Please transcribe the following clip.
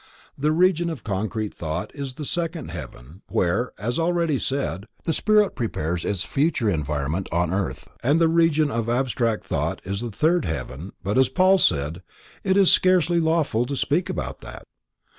The Region of concrete Thought is the second Heaven, where, as already said, the spirit prepares its future environment on earth, and the Region of abstract Thought is the third Heaven, but as Paul said, it is scarcely lawful to speak about that.